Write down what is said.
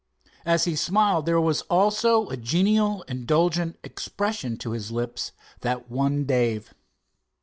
As he smiled, there was also a genial, indulgent expression to his lips that won Dave.